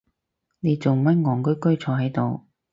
你做乜戇居居坐係度？